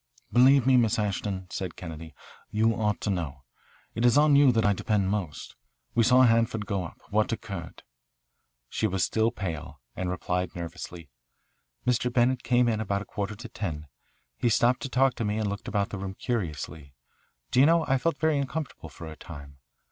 "Believe me, Miss Ashton," said Kennedy, "you ought to know. It is on you that I depend most. We saw Hanford go up. What occurred?" She was still pale, and replied nervously, "Mr. Bennett came in about quarter to ten. He stopped to talk to me and looked about the room curiously. Do you know, I felt very uncomfortable for a time.